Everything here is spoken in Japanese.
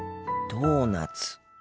ドーナツ。